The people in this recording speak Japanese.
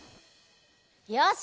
よし！